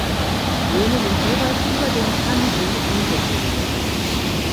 Jene sind jeweils über den Kanji angegeben.